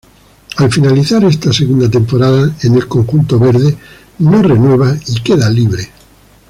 Al finalizar esta segunda temporada en el conjunto verde, no renueva y queda libre.